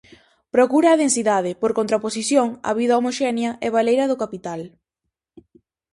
Procura a densidade, por contraposición á vida homoxénea e baleira do capital.